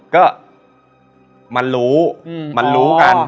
ก็มันรู้มันรู้กัน